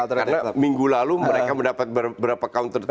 karena minggu lalu mereka mendapat beberapa counter attack